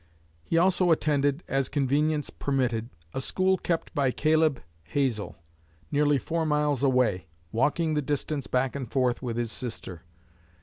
He also attended, as convenience permitted, a school kept by Caleb Hazel, nearly four miles away, walking the distance back and forth with his sister.